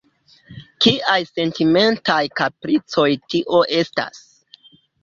Kiaj sentimentaj kapricoj tio estas?